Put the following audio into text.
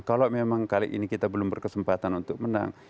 kalau memang kali ini kita belum berkesempatan untuk menang